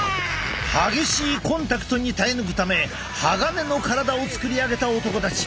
激しいコンタクトに耐え抜くため鋼の体を作り上げた男たち。